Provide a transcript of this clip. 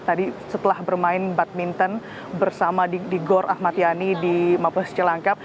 tadi setelah bermain badminton bersama di gor ahmad yani di mabes cilangkap